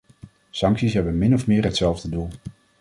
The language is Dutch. Sancties hebben min of meer hetzelfde doel.